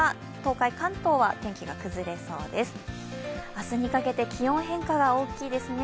明日にかけて気温変化が大きいですね。